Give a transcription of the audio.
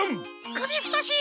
くびふとし！